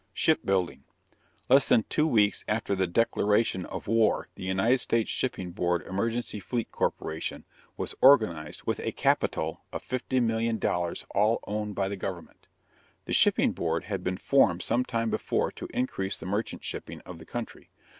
SHIPBUILDING. Less than two weeks after the declaration of war the United States Shipping Board Emergency Fleet Corporation was organized with a capital of fifty million dollars all owned by the government. The Shipping Board had been formed some time before to increase the merchant shipping of the country.